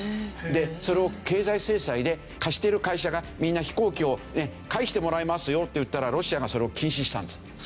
でそれを経済制裁で貸してる会社がみんな飛行機を返してもらいますよって言ったらロシアがそれを禁止したんですよ。